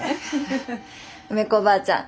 梅子ばあちゃん。